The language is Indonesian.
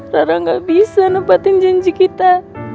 rara gak bisa nebatin janji kita